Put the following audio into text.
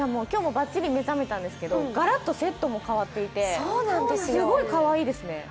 今日もばっちり目覚めたんですけどがらっとセットも変わっていて、すごいかわいいですね。